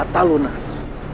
gak tau lo nas